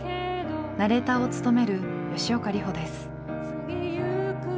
ナレーターを務める吉岡里帆です。